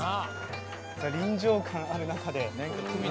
臨場感ある中で。